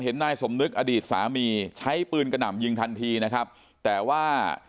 นายสมนึกอดีตสามีใช้ปืนกระหน่ำยิงทันทีนะครับแต่ว่า